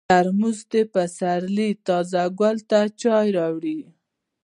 ترموز د پسرلي تازه ګل ته چای راوړي.